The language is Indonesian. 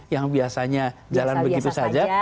yang biasanya jalan begitu saja